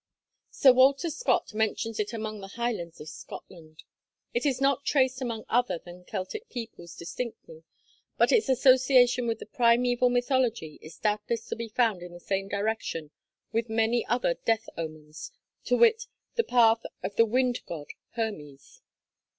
Sir Walter Scott mentions it among the highlands of Scotland. It is not traced among other than Celtic peoples distinctly, but its association with the primeval mythology is doubtless to be found in the same direction with many other death omens, to wit, the path of the wind god Hermes.